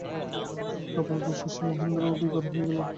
রজনীর কপালদোষে সে মহেন্দ্রও বিগড়ইয়া গেল।